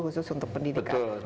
khusus untuk pendidikan